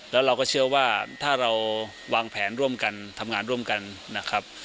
แล้วเราก็เชื่อว่าถ้าเราวางแผนร่วมกันทำงานร่วมกันนะครับ